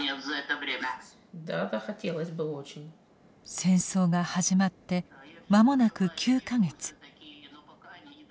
☎戦争が始まって間もなく９か月。